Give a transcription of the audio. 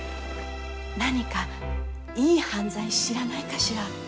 何かいい犯罪知らないかしら。